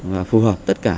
và phù hợp tất cả